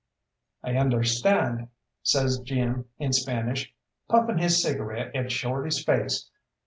"I understand," says Jim in Spanish, puffing his cigarette at Shorty's face.